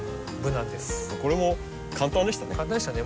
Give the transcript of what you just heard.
これも簡単でしたね。